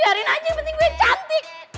biarin aja yang penting gue cantik